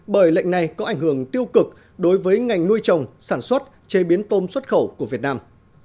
bởi lệnh này có ảnh hưởng tiêu cực đối với ngành nuôi trồng sản xuất chế biến tôm xuất khẩu của việt nam